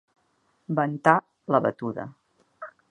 Ventar la batuda.